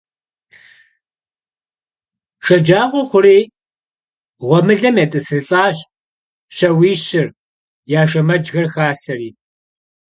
Şşecağue xhuri, ğuemılem yêt'ısılh'aş şauişır, ya şşemecxer xaseri.